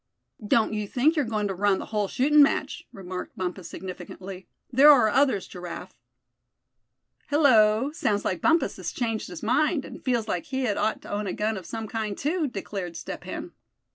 "Don't you think you're goin' to run the whole shootin' match," remarked Bumpus significantly. "There are others, Giraffe." "Hello! sounds like Bumpus has changed his mind, and feels like he had ought to own a gun of some kind too!" declared Step Hen.